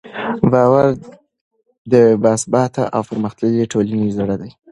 باور د یوې باثباته او پرمختللې ټولنې زړه دی.